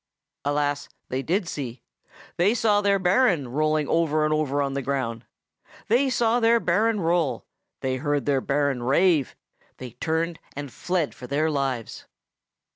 Alas! they did see; they saw their Baron rolling over and over on the ground. They saw their Baron roll; they heard their Baron rave; they turned and fled for their lives.